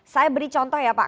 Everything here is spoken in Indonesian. saya beri contoh ya pak